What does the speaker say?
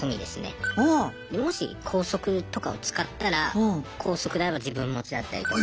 もし高速とかを使ったら高速代は自分持ちだったりとか。